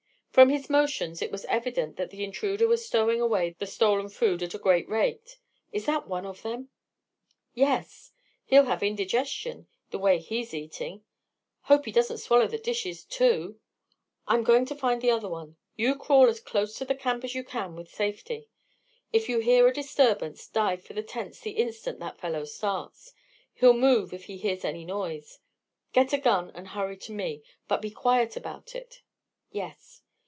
From his motions it was evident that the intruder was stowing away the stolen fool at a great rate. "Is that one of them?" "Yes." "He'll have indigestion, the way he's eating. Hope he doesn't swallow the dishes, too." "I'm going to find the other one. You crawl as close to the camp as you can with safety. If you hear a disturbance, dive for the tents the instant that fellow starts. He'll move if he hears any noise. Get a gun and hurry to me, but be quiet about it." "Yes."